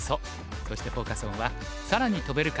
そしてフォーカス・オンは「さらに跳べるか！